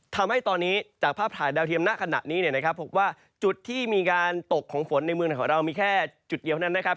ทำให้ตอนนี้จากภาพถ่ายดาวเทียมณขณะนี้เนี่ยนะครับพบว่าจุดที่มีการตกของฝนในเมืองของเรามีแค่จุดเดียวเท่านั้นนะครับ